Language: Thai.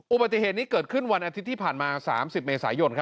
อุบัติเหตุนี้เกิดขึ้นวันอาทิตย์ที่ผ่านมา๓๐เมษายน